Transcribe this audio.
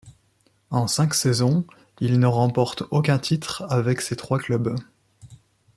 En cinq saisons, il ne remporte aucun titre avec ces trois clubs.